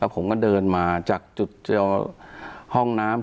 ผมก็เดินมาจากจุดเจอห้องน้ำ